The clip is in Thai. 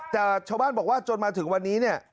แต่ชาวบ้านบอกว่าจนมาถึงวันนี้เนี่ย